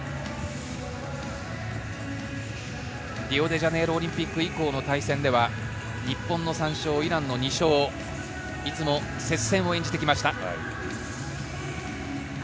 リオデジャネイロオリンピック以降の対戦では日本の３勝、イランの２勝。いつも接戦を演じてきました。